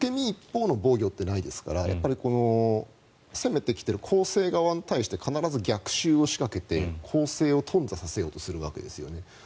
一方の防御ってないですから攻めてきている攻勢側に対して必ず逆襲を仕掛けて攻勢をとん挫させようとするわけですね。